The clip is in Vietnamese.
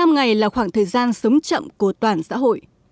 một mươi ngày là khoảng thời gian sống chậm của toàn xã hội